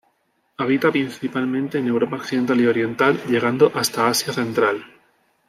Habita principalmente en Europa Occidental y Oriental, llegando hasta Asia Central.